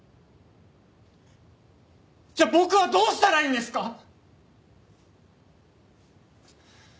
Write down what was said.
じゃあ僕はどうしたらいいんですか！？